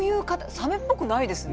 サメっぽくないですね。